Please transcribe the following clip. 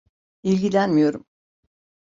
İlgilenmiyorum.